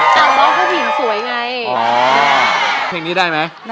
ต่างร้องผู้หญิงสวยไง